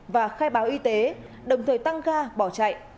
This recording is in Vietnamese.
và khai báo y tế đồng thời tăng ga bỏ chạy